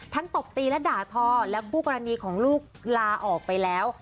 ตบตีและด่าทอและคู่กรณีของลูกลาออกไปแล้ว